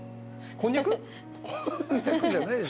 こんにゃくじゃないでしょ。